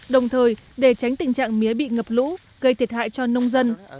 đồng thời để tránh tình trạng mía bị ngập lũ gây thiệt hại cho nông dân